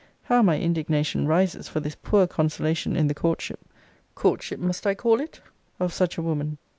How my indignation rises for this poor consolation in the courtship [courtship must I call it?] of such a woman!